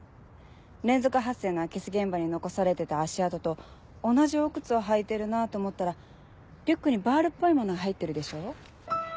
連続発生の空き巣現場に残されてた足跡と同じお靴を履いているなぁと思ったらリュックにバールっぽいものが入ってるでしょ？